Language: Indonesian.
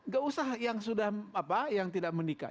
gak usah yang sudah apa yang tidak menikah